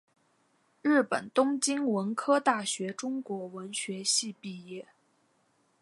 日本东京文科大学中国文学系毕业。